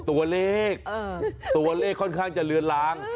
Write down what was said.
ตัวเลขตัวเลขค่อนข้างจะเลือนลาง